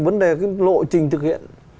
vấn đề cái lộ trình thực hiện